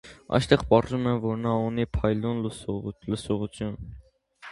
Այստեղ պարզվում է, որ նա ունի փայլուն լսողություն։